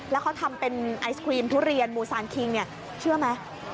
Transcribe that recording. แล้วเขาทำเป็นไอศครีมทุเรียนมูซานคิงเนี่ยเชื่อไหม